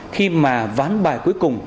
khi mà ván bài cuối cùng